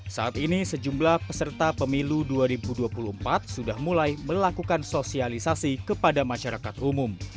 saat ini sejumlah peserta pemilu dua ribu dua puluh empat sudah mulai melakukan sosialisasi kepada masyarakat umum